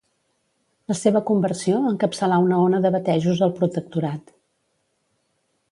La seva conversió encapçalà una ona de batejos al protectorat.